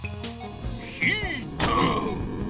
ヒーター！